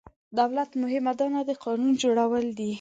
دولت مهمه دنده د قانون جوړول دي.